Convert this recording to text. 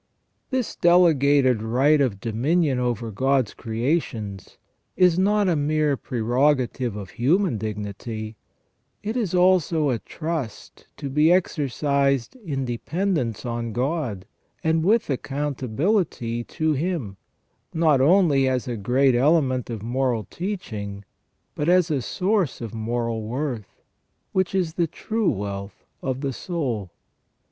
This delegated right of dominion over God's creations is not a mere prerogative of human dignity, it is also a trust, to be exer cised in dependence on God, and with accountability to Him, not only as a great element of moral training, bnt as a source of moral worth, which is the true wealth of the soul.